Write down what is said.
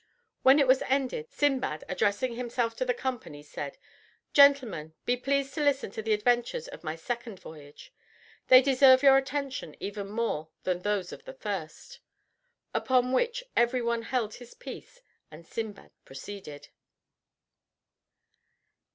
When it was ended, Sindbad, addressing himself to the company, said, "Gentlemen, be pleased to listen to the adventures of my second voyage. They deserve your attention even more than those of the first." Upon which every one held his peace, and Sindbad proceeded.